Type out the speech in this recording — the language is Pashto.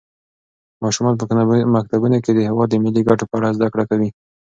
ماشومان په مکتبونو کې د هېواد د ملي ګټو په اړه زده کړه کوي.